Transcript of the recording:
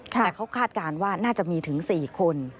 แต่เขาคาดการณ์ว่าน่าจะมีถึง๔คน